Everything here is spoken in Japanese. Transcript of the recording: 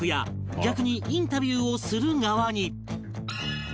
逆にインタビューをする側に